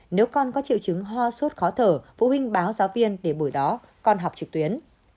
nếu con có triệu chứng ho sốt khó thở phụ huynh báo giáo viên để buổi đó con học trực tuyến